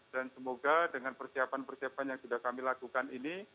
dan semoga dengan persiapan persiapan yang sudah kami lakukan ini